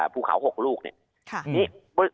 ภูเขา๖ลูกเนี่ย